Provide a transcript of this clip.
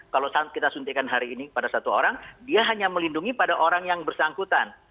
kalau kita suntikan hari ini kepada satu orang dia hanya melindungi pada orang yang bersangkutan